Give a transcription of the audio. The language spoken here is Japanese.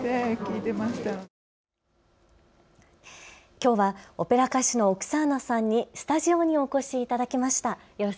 きょうはオペラ歌手のオクサーナさんにスタジオにお越しいただきました。